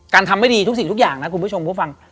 ทำไม่ดีทุกสิ่งทุกอย่างนะคุณผู้ชมผู้ฟัง